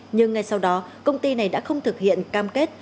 nhưng ngay sau đó công ty này đã không thực hiện cam kết